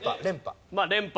連覇。